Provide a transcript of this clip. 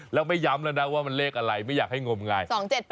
แล้วไม่ย้ำแล้วนะว่ามันเลขอะไรไม่อยากให้งมไง